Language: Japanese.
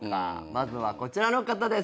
まずはこちらの方です。